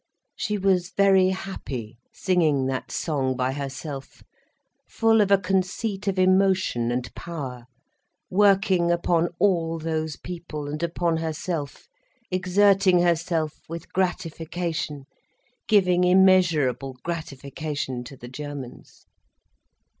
She was very happy, singing that song by herself, full of a conceit of emotion and power, working upon all those people, and upon herself, exerting herself with gratification, giving immeasurable gratification to the Germans.